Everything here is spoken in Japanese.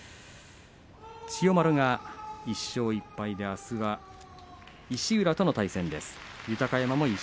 千代丸が１勝１敗であすは石浦との対戦です。